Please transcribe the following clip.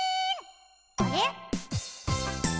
あれ？